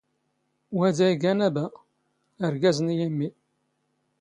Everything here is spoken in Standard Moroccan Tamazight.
ⵡⴰⴷ ⴰⴷ ⵉⴳⴰⵏ ⴰⴱⴰ ⴰⵔⴳⴰⵣ ⵏ ⵢⵉⵎⵎⵉ.